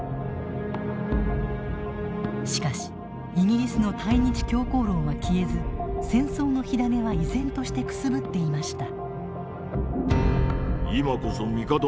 しかしイギリスの対日強硬論は消えず戦争の火種は依然としてくすぶっていました。